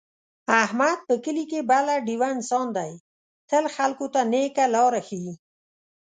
احمد په کلي کې بله ډېوه انسان دی، تل خلکو ته نېکه لاره ښي.